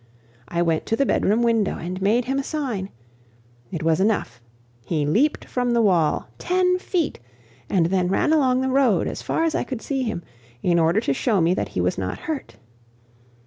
I went to the bedroom window and made him a sign, it was enough; he leaped from the wall ten feet and then ran along the road, as far as I could see him, in order to show me that he was not hurt.